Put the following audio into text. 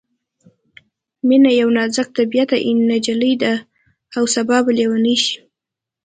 مينه یوه نازک طبعیته نجلۍ ده او سبا به ليونۍ شي